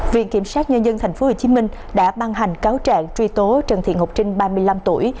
viện kiểm sát nhân dân tp hcm đã ban hành cáo trạng truy tố trần thị ngọc trinh ba mươi năm tuổi